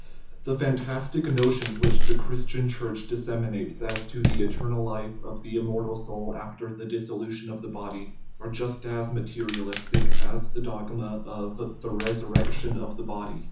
The fantastic notions which the Christian Church disseminates as to the eternal life of the immortal soul after the dissolution of the body are just as material istic as the dogma of "the resurrection of the body."